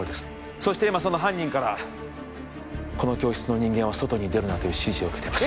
そして今その犯人からこの教室の人間は外に出るなという指示を受けています